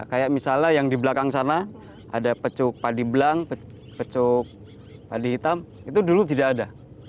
kayak misalnya yang di belakang sana ada pecuk padi belang pecuk padi hitam itu dulu tidak ada